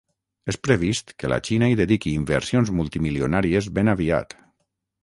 És previst que la Xina hi dediqui inversions multimilionàries ben aviat.